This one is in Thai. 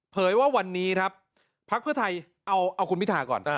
ว่าวันนี้ครับพักเพื่อไทยเอาคุณพิธาก่อน